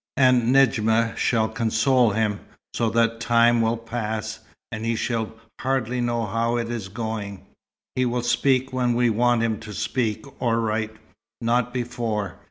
And Nedjma shall console him, so that time will pass, and he shall hardly know how it is going. He will speak when we want him to speak or write, not before."